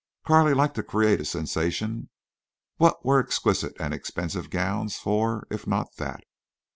Carley liked to create a sensation. What were exquisite and expensive gowns for, if not that?